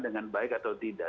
dengan baik atau tidak